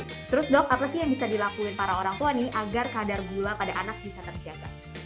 terus dok apa sih yang bisa dilakuin para orang tua nih agar kadar gula pada anak bisa terjaga